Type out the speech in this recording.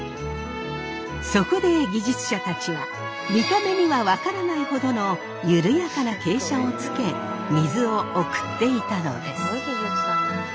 そこで技術者たちは見た目には分からないほどのゆるやかな傾斜をつけ水を送っていたのです。